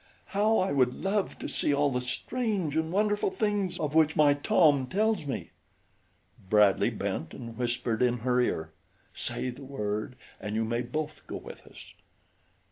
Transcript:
How I would love to see all the strange and wonderful things of which my Tom tells me!" Bradley bent and whispered in her ear. "Say the word and you may both go with us."